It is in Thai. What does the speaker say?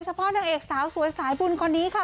พ่อนางเอกสาวสวยสายบุญคนนี้ค่ะ